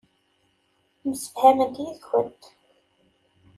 Msefhament yid-kent.